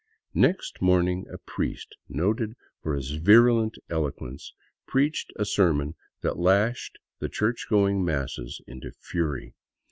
Next morning a priest, noted for his virulent eloquence, preached a sermon that lashed the church going masses into fury.